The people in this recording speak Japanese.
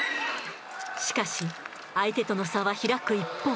しかし相手との差は開く一方。